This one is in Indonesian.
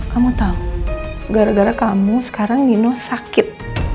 kamu tahu gara gara kamu sekarang nino sakit